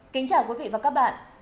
kính chào quý vị và các bạn